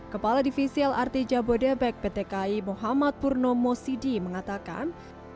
kepala divisi lrt jabodebek pt ki muhammad purnomo sidi mengatakan